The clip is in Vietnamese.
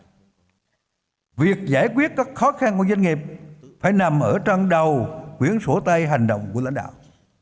từ cứu quả và thiên tai việc giải quyết các khó khăn của doanh nghiệp phải nằm ở trong đầu quyến sổ tay hành động của lãnh đạo